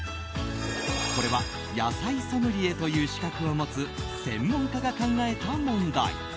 これは野菜ソムリエという資格を持つ専門家が考えた問題。